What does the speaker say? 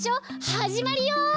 はじまるよ！